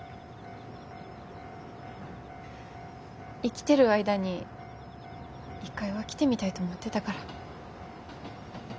生きてる間に一回は来てみたいと思ってたから。